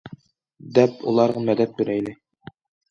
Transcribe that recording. دەپ ئۇلارغا مەدەت بېرەيلى.